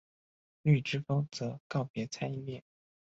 绿之风则告别参议院。